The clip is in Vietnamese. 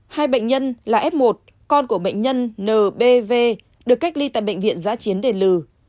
hai bệnh nhân là f một con của bệnh nhân nbv được cách ly tại bệnh viện giá chiến đền lừ